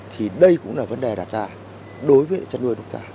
thì đây cũng là vấn đề đặt ra đối với chăn nuôi lúc cả